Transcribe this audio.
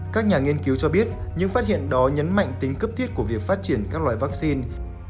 các nhà nghiên cứu cho biết những phát hiện đó nhấn mạnh tính cấp thiết của việc phát triển các loài vaccine